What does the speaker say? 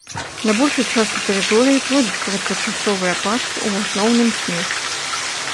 На большай частцы тэрыторыі пройдуць кароткачасовыя ападкі, у асноўным снег.